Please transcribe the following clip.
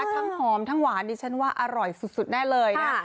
หอมทั้งหวานดิฉันว่าอร่อยสุดแน่เลยนะ